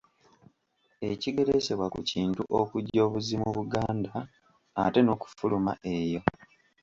Ekigereesebwa ku Kintu okujja obuzzi mu Buganda ate n'okufuluma eyo.